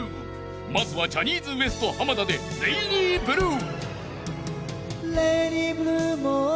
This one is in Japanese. まずはジャニーズＷＥＳＴ濱田で『レイニーブルー』］